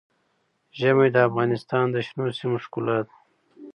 ژمی د افغانستان د شنو سیمو ښکلا ده.